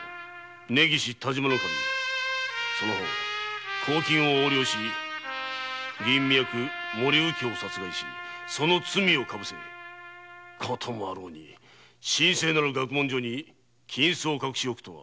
根岸但馬守その方公金を横領し森右京を殺害しその罪をかぶせこともあろうに神聖なる学問所に金子を隠しおくとは。